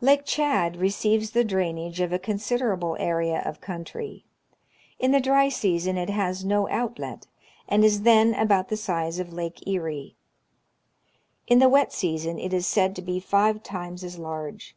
Lake Chad receives the drainage of a considerable area of country. In the dry season it has no outlet, and is then about the size of Lake Erie. In the wet season it is said to be five times as large.